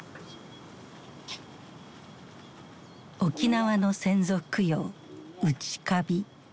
沖縄の先祖供養うちかび。